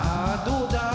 どうだ？